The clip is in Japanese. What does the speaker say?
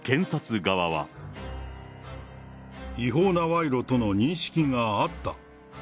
違法な賄賂との認識があった。